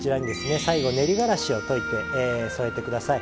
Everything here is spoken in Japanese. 最後に練りがらしを溶いて添えてください。